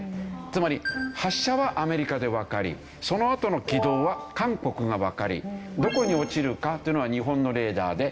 つまり発射はアメリカでわかりそのあとの軌道は韓国がわかりどこに落ちるかというのは日本のレーダーで。